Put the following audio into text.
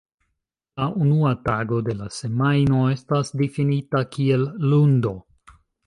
La unua tago de la semajno estas difinita kiel lundo.